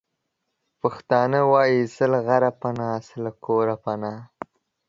پښتانه وايې:څه له غره پنا، څه له کوره پنا.